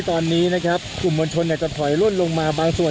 ตอนนี้นะครับกลุ่มมวลชนจะถอยล่นลงมาบางส่วน